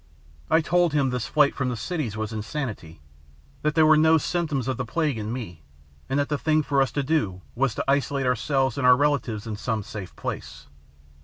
I told him this flight from the cities was insanity, that there were no symptoms of the plague in me, and that the thing for us to do was to isolate ourselves and our relatives in some safe place.